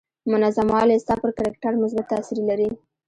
منظم والی ستا پر کرکټر مثبت تاثير لري.